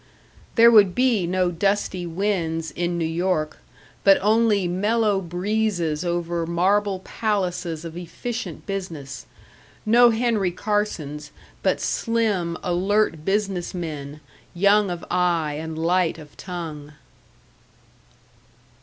There would be no dusty winds in New York, but only mellow breezes over marble palaces of efficient business. No Henry Carsons, but slim, alert business men, young of eye and light of tongue.